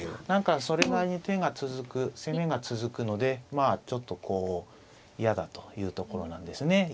何かそれなりに手が続く攻めが続くのでまあちょっとこう嫌だというところなんですね。